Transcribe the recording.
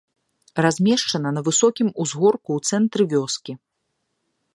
Размешчана на высокім узгорку ў цэнтры вёскі.